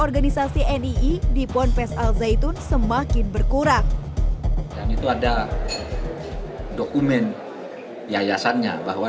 organisasi nii di ponpes al zaitun semakin berkurang dan itu ada dokumen yayasannya bahwa